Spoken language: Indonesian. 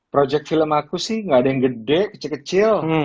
project film aku sih gak ada yang gede kecil kecil